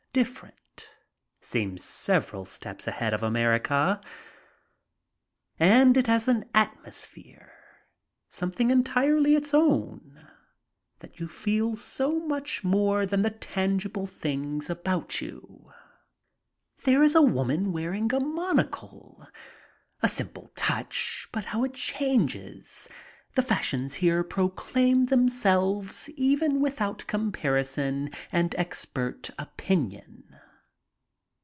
Different. Seems several steps ahead of America. And it has atmosphere, something entirely its own, that you feel so much more than the tangible things about you. There is a woman wearing a monocle. A simple touch, but how it changes ! The fashions here proclaim themselves even without comparison and expert opinion.